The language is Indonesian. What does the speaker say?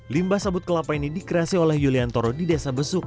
limbah sabut kelapa ini dikreasi oleh yuliantoro di desa besuk